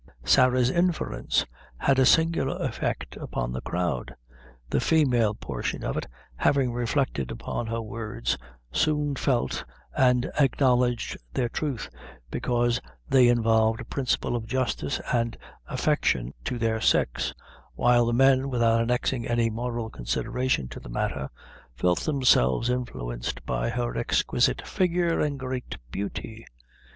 Sarah's interference had a singular effect upon the crowd. The female portion of it having reflected upon her words, soon felt and acknowledged their truth, because they involved a principle of justice and affection to their sex; while the men, without annexing any moral consideration to the matter, felt themselves influenced by her exquisite figure and great beauty.